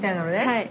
はい。